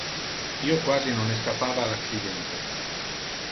Io quasi non escappava al accidente.